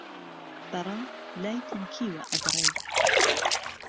بهڕه لای تهنکیهوه ئهدڕێ